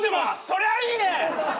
そりゃいいね！